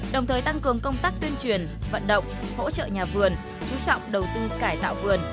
đồng thời tăng cường công tác tuyên truyền vận động hỗ trợ nhà vườn chú trọng đầu tư cải tạo vườn